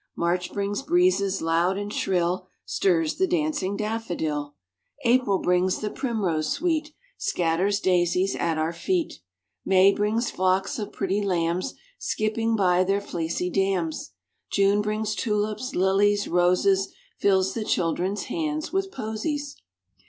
March brings breezes loud and shrill, Stirs the dancing daffodil. April brings the primrose sweet, Scatters daisies at our feet. May brings flocks of pretty lambs, Skipping by their fleecy dams. June brings tulips, lilies, roses, Fills the children's hands with posies.